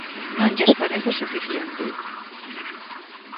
Non lles parece suficiente.